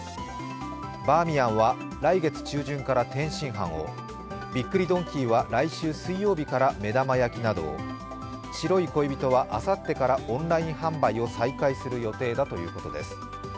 バーミヤンは来月中旬から天津飯をびっくりドンキーは来週水曜日から目玉焼きなどを、白い恋人はあさってからオンライン販売を再開する予定だということです。